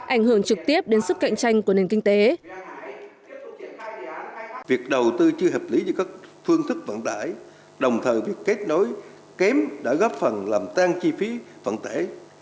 ảnh hưởng trực tiếp đến sức cạnh tranh của nền kinh tế